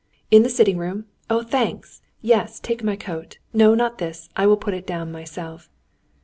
"In the sitting room? Oh, thanks! Yes, take my coat. No, not this. I will put it down myself."